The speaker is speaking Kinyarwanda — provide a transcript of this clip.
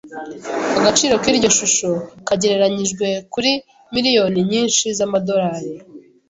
Agaciro k'iryo shusho kagereranijwe kuri miliyoni nyinshi z'amadolari.